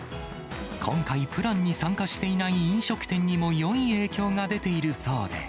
今回、プランに参加していない飲食店にもよい影響が出ているそうで。